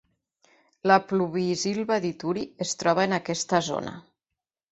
La pluviïsilva d'Ituri es troba en aquesta zona.